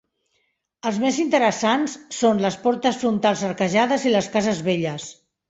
Els més interessants són les portes frontals arquejades i les cases velles.